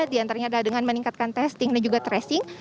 diantaranya adalah dengan meningkatkan testing dan juga tracing